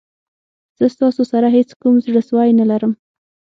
زه ستاسو سره هېڅ کوم زړه سوی نه لرم.